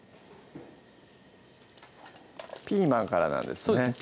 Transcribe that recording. ピーマンからなんですね